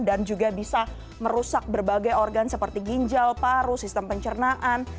dan juga bisa merusak berbagai organ seperti ginjal paru sistem pencernaan